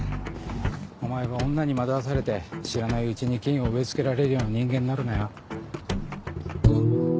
お前は女に惑わされて知らないうちに菌を植え付けられるような人間になるなよ。